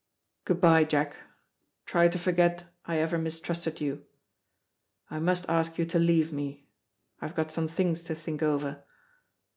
Good bye, Jack; try to forget I ever mistrusted you. I must ask you to leave me; I've got some things to think over."